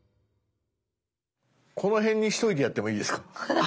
この辺にしといてやってもいいですか。